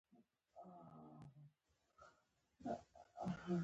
په دې اړه به وروسته پرې بشپړې خبرې وکړو.